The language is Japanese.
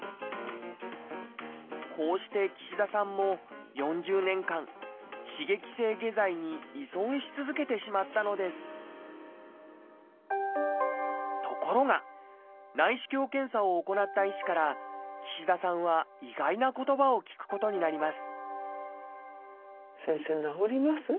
こうして岸田さんも４０年間刺激性下剤に依存し続けてしまったのですところが内視鏡検査を行った医師から岸田さんは意外な言葉を聞くことになります